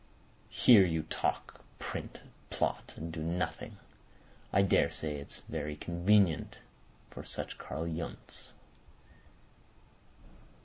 Here you talk, print, plot, and do nothing. I daresay it's very convenient for such Karl Yundts."